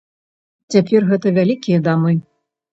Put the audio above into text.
Цяпер гэта вялікія дамы.